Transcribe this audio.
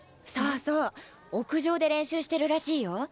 そうそう屋上で練習してるらしいよ。